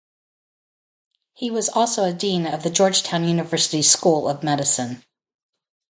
He was also a Dean of the Georgetown University School of Medicine.